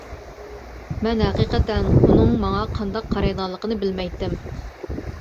مەن ھەقىقەتەن ئۇنىڭ ماڭا قانداق قارايدىغانلىقىنى بىلمەيتتىم.